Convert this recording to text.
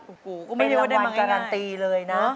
กูไม่ได้มาให้ง่ายอเรนนี่เป็นรางวัลการันตีเลยนะ